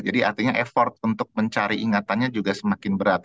jadi artinya effort untuk mencari ingatannya juga semakin berat